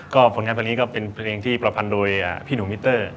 ก็ผลงานเพลงนี้ก็เป็นเพลงที่ประพันธ์โดยพี่หนูมิเตอร์